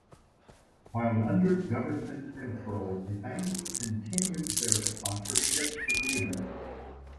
While under government control the bank continued their sponsorship agreement.